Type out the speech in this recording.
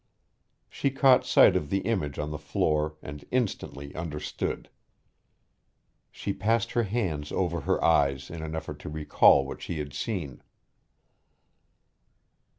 She caught sight of the image on the floor and instantly understood. She passed her hands over her eyes in an effort to recall what she had seen.